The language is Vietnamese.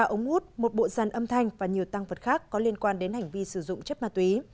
ba ống út một bộ dàn âm thanh và nhiều tăng vật khác có liên quan đến hành vi sử dụng chất ma túy